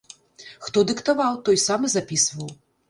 Хто дыктаваў, той сам і запісваў.